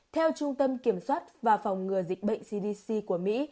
theo trung tâm kiểm soát và phòng ngừa dịch bệnh cdc của mỹ